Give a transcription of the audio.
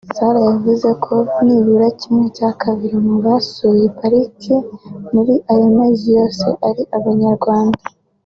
Sarah yavuze ko nibura kimwe cya kabiri mu basuye pariki muri ayo mezi yose ari Abanyarwanda